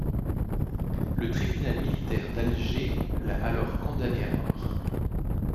Le tribunal militaire d'Alger l'a alors condamné à mort.